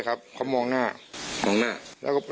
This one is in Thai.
ตอนลงไปแล้ว